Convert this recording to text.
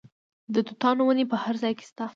د توتانو ونې په هر ځای کې شته.